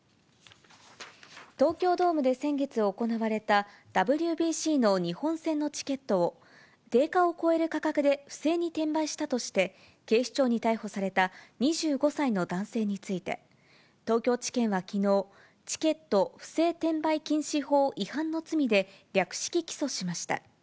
東京ドームで先月行われたＷＢＣの日本戦のチケットを、定価を超える価格で不正に転売したとして、警視庁に逮捕された２５歳の男性について、東京地検はきのう、チケット不正転売禁止法違反の罪で、略式起訴しました。